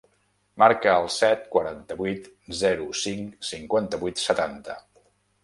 Marca el set, quaranta-vuit, zero, cinc, cinquanta-vuit, setanta.